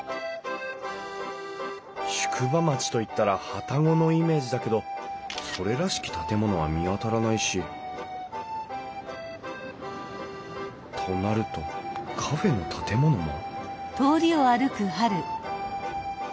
宿場町といったら旅籠のイメージだけどそれらしき建物は見当たらないしとなるとカフェの建物も？